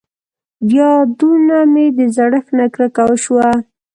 بيا دونه مې د زړښت نه کرکه وشوه.